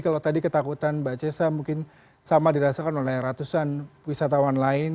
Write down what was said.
kalau tadi ketakutan mbak cesa mungkin sama dirasakan oleh ratusan wisatawan lain